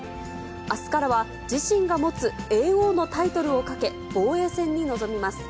あすからは自信が持つ叡王のタイトルをかけ、防衛戦に臨みます。